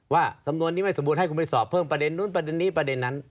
ว่าสำนวนนี้ไม่สมบูรณให้คุณไปสอบเพิ่มประเด็นนู้นประเด็นนี้ประเด็นนั้น